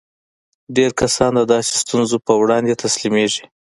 ډېر کسان د داسې ستونزو پر وړاندې تسليمېږي.